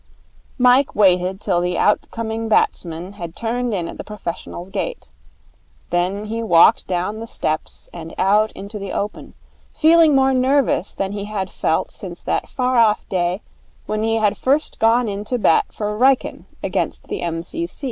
Mike waited till the outcoming batsman had turned in at the professionals' gate. Then he walked down the steps and out into the open, feeling more nervous than he had felt since that far off day when he had first gone in to bat for Wrykyn against the M.